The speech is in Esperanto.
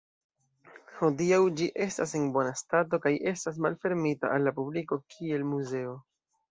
Hodiaŭ ĝi estas en bona stato kaj estas malfermita al la publiko kiel muzeo.